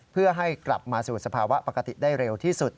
เพื่อให้กลับมาสู่สภาวะปกติได้เร็วที่สุด